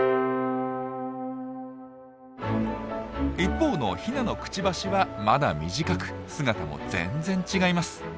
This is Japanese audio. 一方のヒナのクチバシはまだ短く姿も全然違います。